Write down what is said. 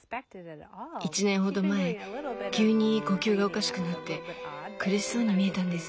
１年ほど前急に呼吸がおかしくなって苦しそうに見えたんです。